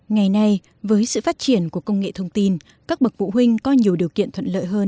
ngày nay với sự phát triển của công nghệ thông tin các bậc phụ huynh có nhiều điều kiện thuận lợi hơn